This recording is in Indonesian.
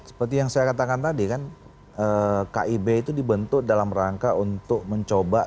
seperti yang saya katakan tadi kan kib itu dibentuk dalam rangka untuk mencoba